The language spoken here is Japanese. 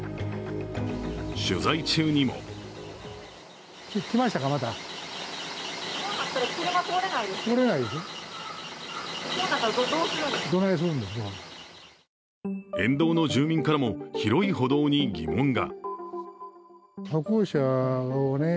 取材中にも沿道の住民からも広い歩道に疑問が。